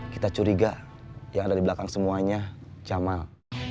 kita curiga yang ada di belakang semuanya jamal